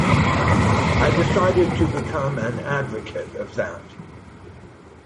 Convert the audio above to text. I decided to become an advocate of that.